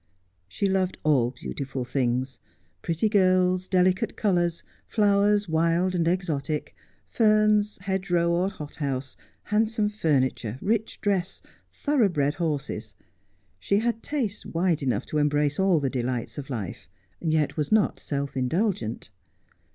She loved all beautiful things, pretty girls, delicate colours, flowers wild and exotic, ferns hedge row or hothouse, handsome furniture, rich dress, thorough bred horses. She had tastes wide enough to embrace all the delights of life, yet was not self indulgent.